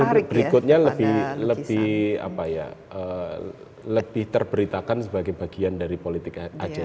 kalau presiden berikutnya lebih terberitakan sebagai bagian dari politik aja